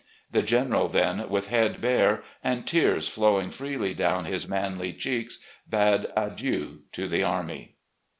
The General then with head bare, and tears flowing freely down his manly cheeks, bade adieu to the army."